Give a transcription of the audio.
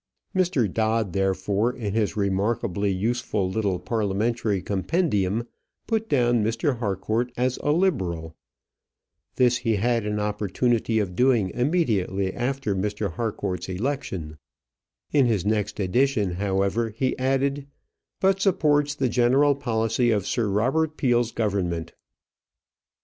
Mr. Dod, therefore, in his remarkably useful little parliamentary compendium, put down Mr. Harcourt as a liberal: this he had an opportunity of doing immediately after Mr. Harcourt's election: in his next edition, however, he added, "but supports the general policy of Sir Robert Peel's government."